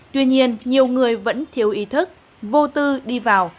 tuy nhiên nhiều người vẫn thiếu ý thức vô tư đi vào